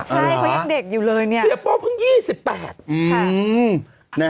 ใช่เขายังเด็กอยู่เลยเนี่ยเสียโป้เพิ่ง๒๘ค่ะ